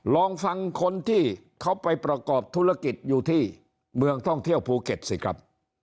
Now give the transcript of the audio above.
ลองฟังคนที่เขาไปประกอบธุรกิจอยู่ที่เมืองท่องเที่ยวภูเก็ตสิครับ